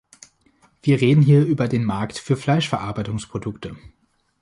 Wir reden hier über den Markt für Fleischverarbeitungsprodukte.